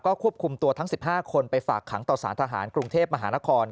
ควบคุมตัวทั้ง๑๕คนไปฝากขังต่อสารทหารกรุงเทพมหานคร